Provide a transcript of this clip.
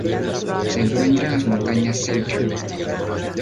Se encuentra en las montañas Selkirk.